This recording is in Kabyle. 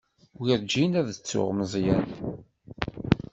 Werǧin ad ttuɣ Meẓyan.